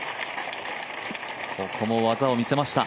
この技を見せました。